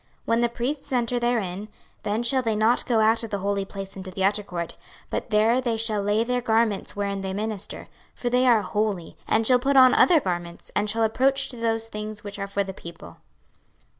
26:042:014 When the priests enter therein, then shall they not go out of the holy place into the utter court, but there they shall lay their garments wherein they minister; for they are holy; and shall put on other garments, and shall approach to those things which are for the people.